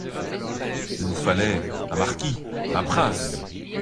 Il vous fallait un marquis, un prince !